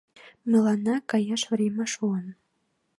Мыланна каяш врема шуын.